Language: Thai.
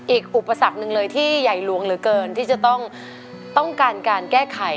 อุปสรรคหนึ่งเลยที่ใหญ่หลวงเหลือเกินที่จะต้องการการแก้ไข